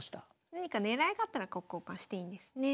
何か狙いがあったら角交換していいんですね。